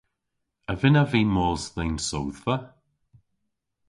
A vynnav vy mos dhe'n sodhva?